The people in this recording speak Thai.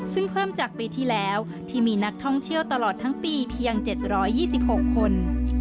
ซึ่งเพิ่มจากปีที่แล้วที่มีนักท่องเที่ยวตลอดทั้งปีเพียง๗๒๖คน